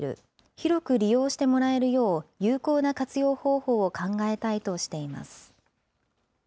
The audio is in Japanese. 広く利用してもらえるよう、有効な活用方法を考えたいとしています。